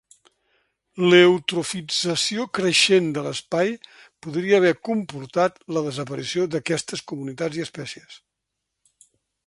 L'eutrofització creixent de l'espai podria haver comportat la desaparició d'aquestes comunitats i espècies.